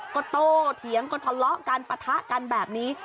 ก็โตเถียงก็ทะเลาะกันปะทะกันแบบนี้